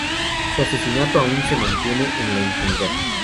Su asesinato aún se mantiene en la impunidad.